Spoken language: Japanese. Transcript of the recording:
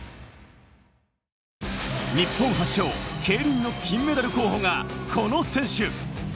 日本発祥・ケイリンの金メダル候補がこの選手。